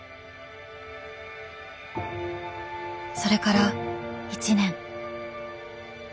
それから１年。